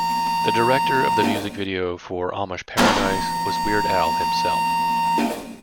The director of the music video for "Amish Paradise" was Weird Al himself.